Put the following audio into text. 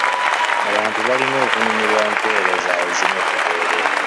Abantu balina okunyumirwa empereza ezimu ku bwereere.